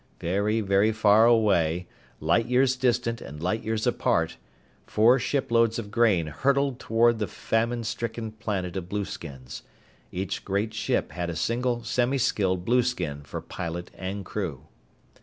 Very, very far away, light years distant and light years apart, four shiploads of grain hurtled toward the famine stricken planet of blueskins. Each great ship had a single semiskilled blueskin for pilot and crew.